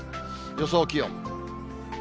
予想気温。